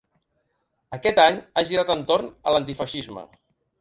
Aquest any, ha girat entorn a l’antifeixisme.